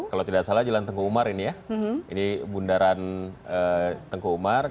kalau tidak salah jalan tengku umar ini ya ini bundaran tengku umar